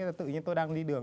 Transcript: thì tự nhiên tôi đang đi đường